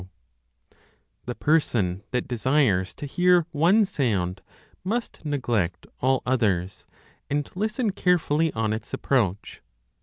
The person that desires to hear one sound must neglect all others, and listen carefully on its approach.